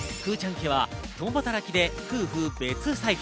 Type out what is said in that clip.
家は共働きで夫婦別財布。